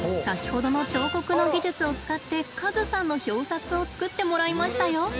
先ほどの彫刻の技術を使ってカズさんの表札を作ってもらいましたよ。